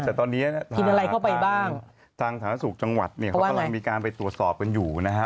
ใช่แต่ตอนนี้ทางสารสุขจังหวัดเขากำลังมีการไปตรวจสอบกันอยู่นะฮะ